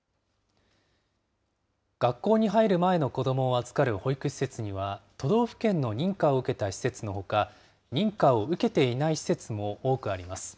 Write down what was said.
学校に入る前の子どもを預かる保育施設には、都道府県の認可を受けた施設のほか、認可を受けていない施設も多くあります。